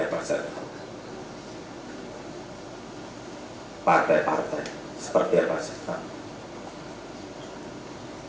partai partai seperti apa saja